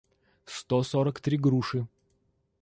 сто сорок три груши